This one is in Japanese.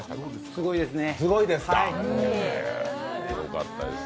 すごいですね。